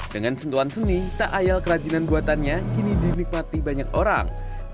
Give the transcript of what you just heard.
dengan sentuhan seni tak ayal kerajinan buatannya kini dinikmati banyak orang